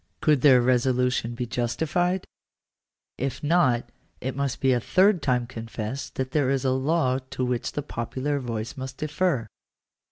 Could their resolution be justified ? If not it must be a third time confessed that there is a law to which the popular voice must defer.